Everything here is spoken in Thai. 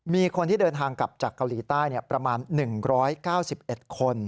มีคนที่เดินทางกลับจากเกาหลีใต้ประมาณ๑๙๑คน